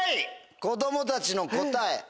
子供たちの答え。